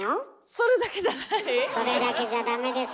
それだけじゃダメです。